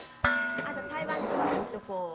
あなた台湾では割とこう何？